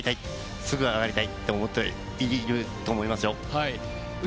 すぐ上がりたいと思っていると思いますよ。